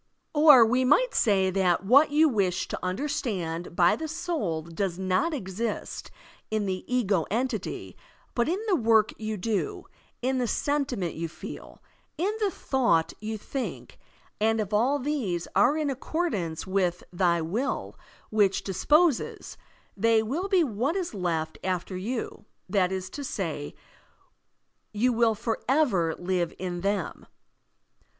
Or we might say that what you wish to tmder stand by the soul does not exist in the ego entity but in the work you do, in the sentiment you feel, in the thought you think, and if all these are in accordance with " thy will which disposes, they will be what is left after you, that is to say, Digitized by Google IMMORTALITY 59 you will forever live in them.